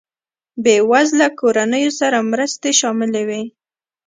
بېوزله کورنیو سره مرستې شاملې وې.